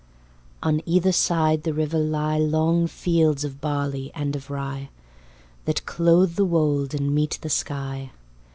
On either side the river lie Long fields of barley and of rye, That clothe the wold and meet the sky.